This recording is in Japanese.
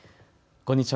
こんにちは。